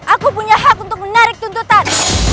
aku punya hak untuk menarik tuntutan